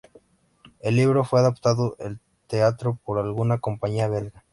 El libro fue adaptado al teatro por una compañía belga.